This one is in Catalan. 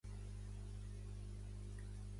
Hi ha algun lampista als jardins d'Alícia de Larrocha?